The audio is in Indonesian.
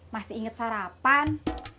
masih inget sarapan